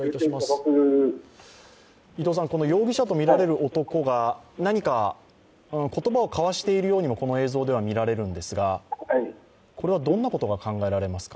この容疑者とみられる男が何か言葉を交わしているようにも映像では見られるんですが、これはどんなことが考えられますか？